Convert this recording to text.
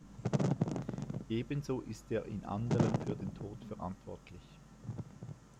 Ebenso ist er in anderen für den Tod verantwortlich.